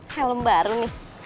helm baru nih